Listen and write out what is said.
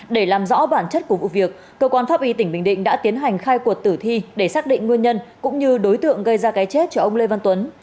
để làm rõ bản chất của vụ việc cơ quan pháp y tỉnh bình định đã tiến hành khai cuộc tử thi để xác định nguyên nhân cũng như đối tượng gây ra cái chết cho ông lê văn tuấn